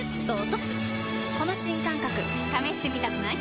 この新感覚試してみたくない？